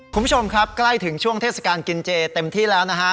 คุณผู้ชมครับใกล้ถึงช่วงเทศกาลกินเจเต็มที่แล้วนะฮะ